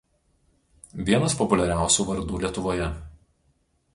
Vienas populiariausių vardų Lietuvoje.